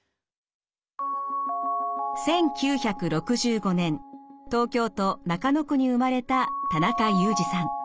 １９６５年東京都中野区に生まれた田中裕二さん。